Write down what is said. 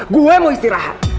gue mau istirahat